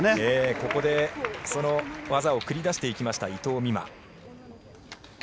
ここでその技を繰り出していきました伊藤美誠。